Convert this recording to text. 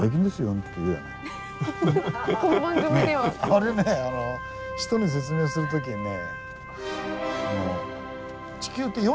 あれね人に説明する時にね。